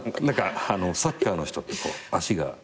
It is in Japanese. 何かサッカーの人って脚が。